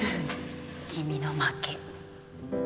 君の負け